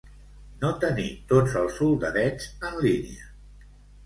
No tenir tots els soldadets en línia.